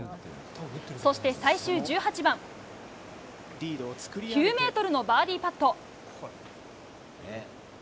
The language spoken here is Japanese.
そして最終１８番９ｍのバーディーパット。